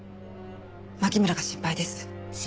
牧村が心配です。